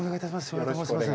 照英と申します。